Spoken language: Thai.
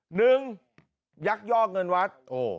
หนึ่งยักยอกเงินวัด